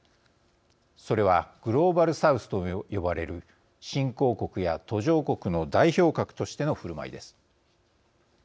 それはグローバル・サウスとも呼ばれる新興国や途上国の代表格としてのふるまいです。